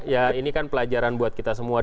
ya ini kan pelajaran buat kita semua